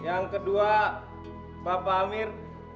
yang kedua bapak amir